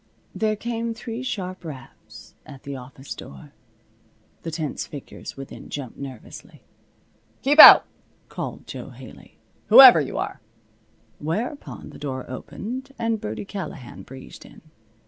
There came three sharp raps at the office door. The tense figures within jumped nervously. "Keep out!" called Jo Haley, "whoever you are." Whereupon the door opened and Birdie Callahan breezed in.